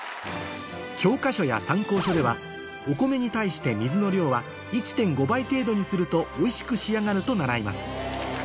教科書や参考書ではお米に対して水の量は１．５倍程度にするとおいしく仕上がると習います